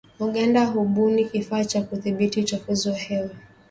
Uganda hubuni kifaa cha kudhibiti uchafuzi wa hewa